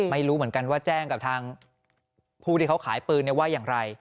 ไม่รู้เหมือนกันว่าแจ้งกับทางผู้ที่เขาขายปืนว่าอย่างไร